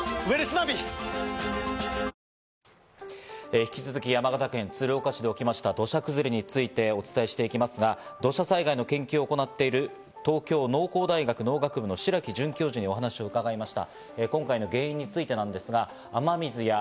引き続き、山形県鶴岡市で起きました土砂崩れについてお伝えしていきますが、土砂災害の研究を行っている東京農工大学農学部の白木准教授にお話を伺いました。